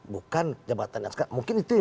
bukan jabatan yang sekarang